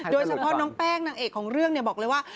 โดยเฉพาะน้องแป้งนางเอกของเรื่องบอกเลยว่า